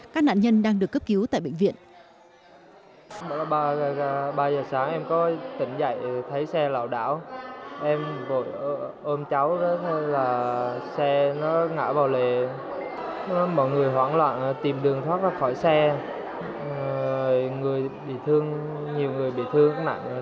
các nạn nhân đang được cấp cứu tại bệnh viện